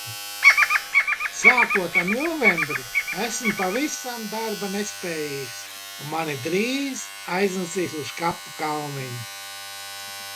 Sākot ar novembri esmu pavisam darba nespējīgs un mani drīz aiznesīs uz kapu kalniņu.